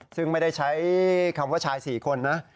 ซึ่งไม่ได้ใช้คำว่าชาย๔คนนะ